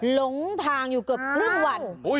หลงทางอยู่เกือบครึ่งวัน